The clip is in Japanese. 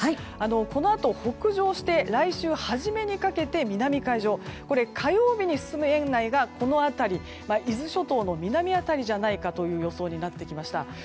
このあと北上して来週初めにかけて南海上火曜日に進む円内がこの辺り伊豆諸島の南辺りじゃないかという予想になってきました。